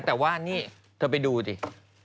แต่ว่านี่เธอไปดูดิ